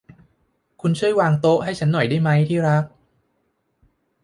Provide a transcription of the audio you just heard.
คุณช่วยวางโต๊ะให้ฉันหน่อยได้มั้ย ที่รัก